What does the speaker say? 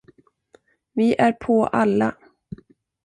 Vi är på alla!